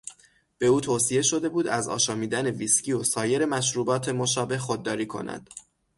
به او توصیه شده بود از آشامیدن ویسکی و سایر مشروبات مشابه خودداری کند.